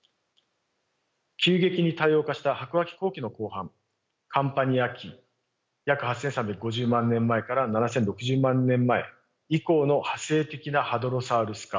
急激に多様化した白亜紀後期の後半カンパニアン期約８，３５０万年前から７，０６０万年前以降の派生的なハドロサウルス科